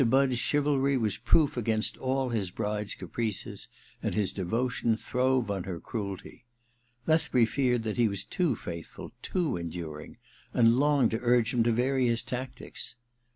Budd's chivalry was proof against all his bride's caprices and his devotion throve on her cruelty. Lethbury feared that he was too fsuthful, too enduring, and longed to urge him to vary his tactics.